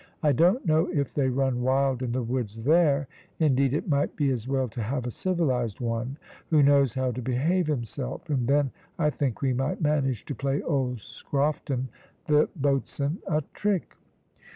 I don't know if they run wild in the woods there, indeed it might be as well to have a civilised one who knows how to behave himself, and then I think we might manage to play old Scrofton, the boatswain, a trick."